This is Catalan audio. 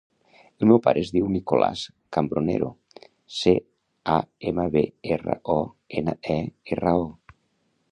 El meu pare es diu Nicolàs Cambronero: ce, a, ema, be, erra, o, ena, e, erra, o.